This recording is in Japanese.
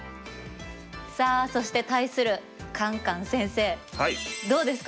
さあそして対するカンカン先生どうですか？